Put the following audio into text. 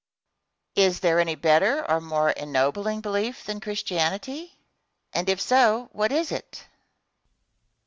Question. Is there any better or more ennobling belief than Christianity; if so, what is it?